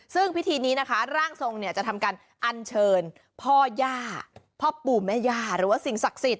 ซึ่งพิธีนี้นะคะร่างทรงเนี่ยจะทำการอันเชิญพ่อย่าพ่อปู่แม่ย่าหรือว่าสิ่งศักดิ์สิทธิ